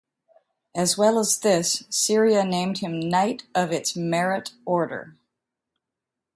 As well as this, Syria named him Knight of its Merit Order.